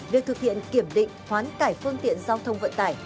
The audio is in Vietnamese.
việc thực hiện kiểm định hoán cải phương tiện giao thông vận tải